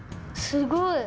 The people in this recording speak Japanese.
すごい。